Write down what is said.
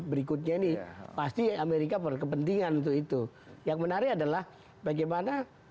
berikutnya ini pasti amerika berkepentingan untuk itu yang menarik adalah bagaimana